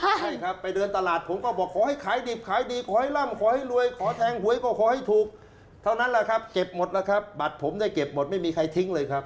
ใช่ครับไปเดินตลาดผมก็บอกขอให้ขายดิบขายดีขอให้ร่ำขอให้รวยขอแทงหวยก็ขอให้ถูกเท่านั้นแหละครับเก็บหมดแล้วครับบัตรผมได้เก็บหมดไม่มีใครทิ้งเลยครับ